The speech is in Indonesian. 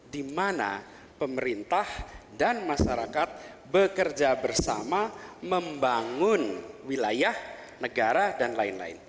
di mana pemerintah dan masyarakat bekerja bersama membangun wilayah negara dan lain lain